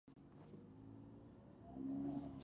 لوستې میندې د ماشومانو د خوب کیفیت ته پام کوي.